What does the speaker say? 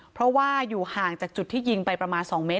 เพราะว่าอยู่ห่างจากจุดที่ยิงไปประมาณ๒เมตร